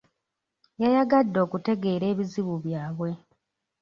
Yayagadde okutegeera ebizibu byabwe.